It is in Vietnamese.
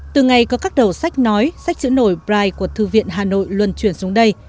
từ ngày có các đầu sách nói sách chữ nổi bright của thư viện hà nội luôn chuyển xuống đây